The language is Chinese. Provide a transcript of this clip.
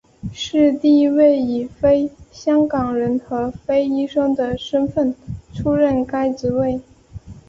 是第一位以非香港人和非医生的身份出任该职位。